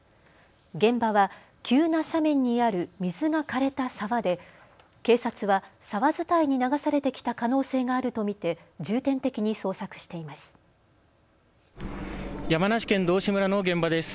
現場は急な斜面にある水がかれた沢で警察は沢伝いに流されてきた可能性があると見て重点的に捜索しています。